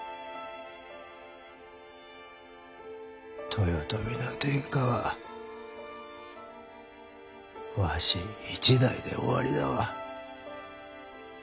豊臣の天下はわし一代で終わりだわ。